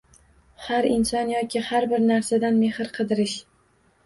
Har inson yoki har bir narsadan mehr qidirish.